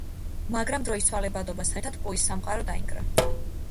მაგრამ დროის ცვალებადობასთან ერთად პუის სამყარო დაინგრა.